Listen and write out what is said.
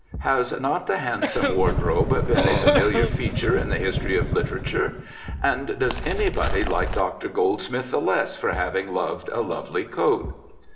Has not the handsome wardrobe been a familiar feature in the history of literature? And does anybody like Dr. Goldsmith the less for having loved a lovely coat?